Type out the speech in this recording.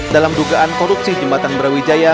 dalam dugaan korupsi jembatan brawijaya